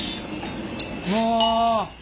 うわ。